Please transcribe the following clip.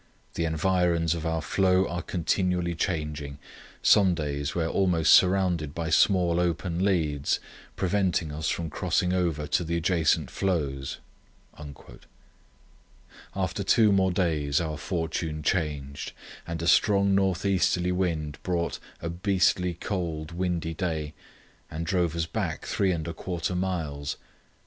The environs of our floe are continually changing. Some days we are almost surrounded by small open leads, preventing us from crossing over to the adjacent floes." After two more days our fortune changed, and a strong north easterly wind brought "a beastly cold, windy day" and drove us back three and a quarter miles.